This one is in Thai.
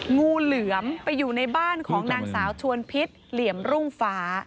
งูเหลือมไปอยู่ในบ้านของนางสาวชวนพิษเหลี่ยมรุ่งฟ้า